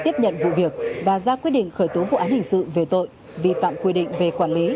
tiếp nhận vụ việc và ra quyết định khởi tố vụ án hình sự về tội vi phạm quy định về quản lý